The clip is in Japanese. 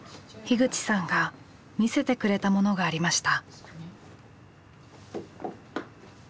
口さんが見せてくれたものがありました。